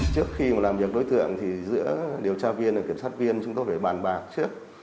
trước khi mà làm việc đối tượng thì giữa điều tra viên và kiểm sát viên chúng tôi phải bàn bạc trước